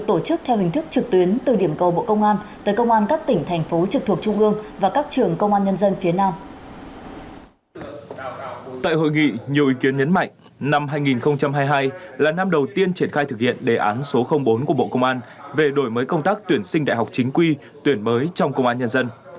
tại hội nghị nhiều ý kiến nhấn mạnh năm hai nghìn hai mươi hai là năm đầu tiên triển khai thực hiện đề án số bốn của bộ công an về đổi mới công tác tuyển sinh đại học chính quy tuyển mới trong công an nhân dân